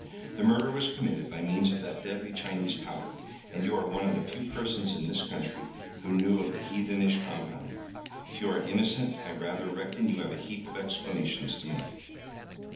The murder was committed by means of that deadly Chinese powder, and you are one of the few persons in this country who knew of the heathenish compound. If you are innocent I rather reckon you have a heap of explanations to make."